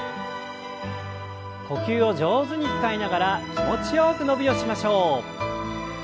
呼吸を上手に使いながら気持ちよく伸びをしましょう。